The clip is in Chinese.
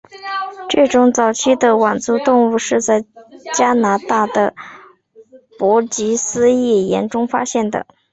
这种早期的腕足动物是在加拿大的伯吉斯页岩中发现的。